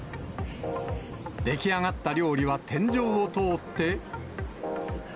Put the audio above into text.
出来上がった料理は、天井を通って。